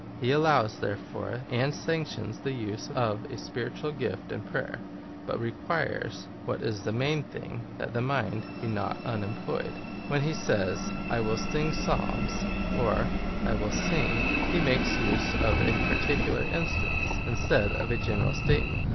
He allows, therefore, and sanc tions the use of a spiritual gift in prayer, but requires, what isthe main thing, that the mind be not unemployed.^ I When he says, / will sing Psalms, or, / will sing, he Y makes use of a particular instance, instead of a general statement.